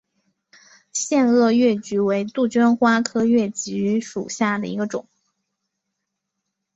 腺萼越桔为杜鹃花科越桔属下的一个种。